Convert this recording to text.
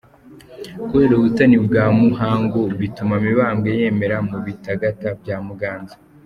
Kubera ubutoni bwa Muhangu, bituma Mibambwe yemera mu Bitagata bya Muganza.